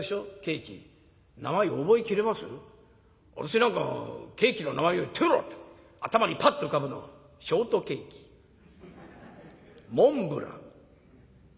私なんかケーキの名前を言ってみろって頭にパッと浮かぶのはショートケーキモンブラン。